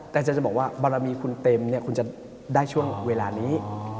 แต่จะบอกว่าบารมีคุณเต็มคุณจะได้ช่วงเวลานี้